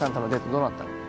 どうだったの？